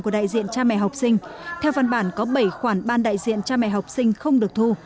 của đại diện cha mẹ học sinh theo văn bản có bảy khoản ban đại diện cha mẹ học sinh không được thu